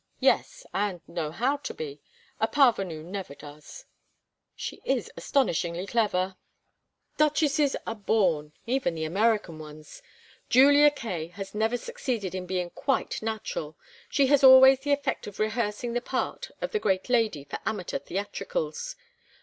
"Yes, and know how to be. A parvenu never does." "She is astonishingly clever." "Duchesses are born even the American ones. Julia Kaye has never succeeded in being quite natural; she has always the effect of rehearsing the part of the great lady for amateur theatricals.